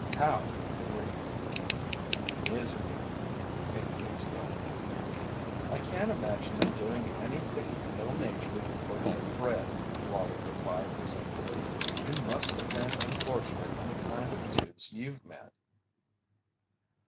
"How grief?" "Misery," Pinkey explained. "I can't imagine them doing anything ill natured or ill bred," Wallie replied, resentfully. "You must have been unfortunate in the kind of dudes you've met."